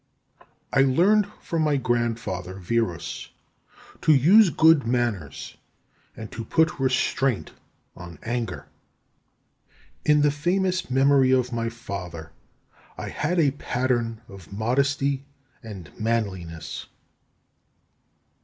I learned from my grandfather, Verus, to use good manners, and to put restraint on anger. 2. In the famous memory of my father I had a pattern of modesty and manliness.